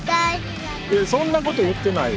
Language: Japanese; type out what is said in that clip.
そんなこと言ってないよ。